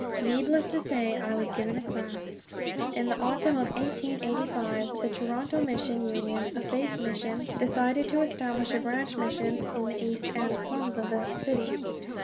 Needless to say I was given a class. In the autumn of 1885 the Toronto Mission Union, a faith mission, decided to establish a branch mission in the East End slums of that city.